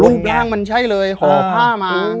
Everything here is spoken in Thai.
ร่างมันใช่เลยห่อผ้ามา